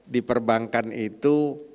di perbankan itu